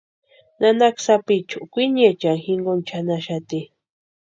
Nanaka sapichu kwiniechani jinkoni chʼanaxati.